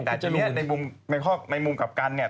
แต่ทีนี้ในมุมกรับการไง